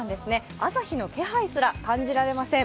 朝日の気配すら感じられません。